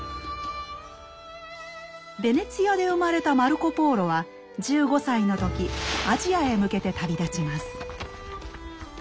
ベネチアで生まれたマルコ・ポーロは１５歳の時アジアへ向けて旅立ちます。